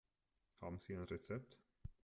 Haben Sie ein Rezept?